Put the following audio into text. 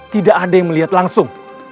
tidak ada yang melihat langsung